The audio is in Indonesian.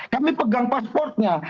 kami pegang pasportnya